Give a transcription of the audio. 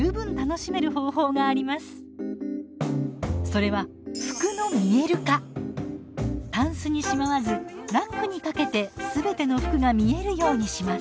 それはタンスにしまわずラックに掛けてすべての服が見えるようにします。